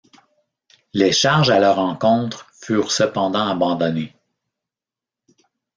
Les charges à leur encontre furent cependant abandonnées.